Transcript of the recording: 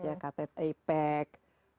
ya ktt ipec